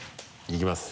いきます